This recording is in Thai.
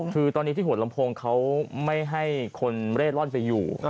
คือตอนนี้ที่หัวลำโพงเขาไม่ให้คนเร่ร่อนไปอยู่